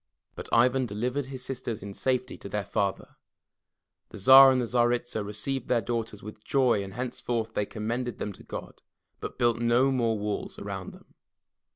But Ivan delivered his sisters in safety to their father. The Tsar and Tsaritsa received their daughters with joy and henceforth they commended them to God, but built no more walls around them.